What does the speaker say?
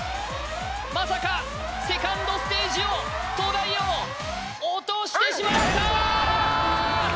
まさかセカンドステージを東大王落としてしまった！